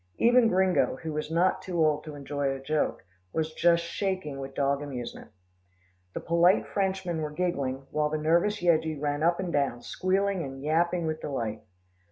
Even Gringo, who was not too old to enjoy a joke, was just shaking with dog amusement. The polite Frenchmen were giggling, while the nervous Yeggie ran up and down, squealing and yapping with delight.